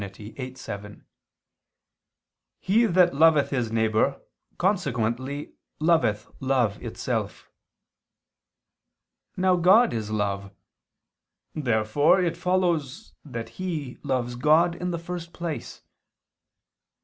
viii, 7): "He that loveth his neighbor, consequently, loveth love itself." Now God is love. Therefore it follows that he loves God in the first place.